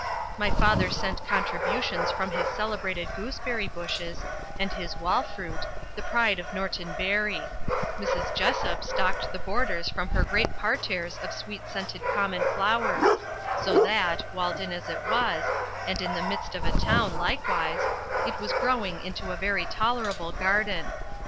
My father sent contributions from his celebrated gooseberry bushes, and his wall fruit, the pride of Norton Bury; Mrs. Jessop stocked the borders from her great parterres of sweet scented common flowers; so that, walled in as it was, and in the midst of a town likewise, it was growing into a very tolerable garden.